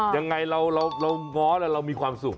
ยังไงเราง้อแล้วเรามีความสุข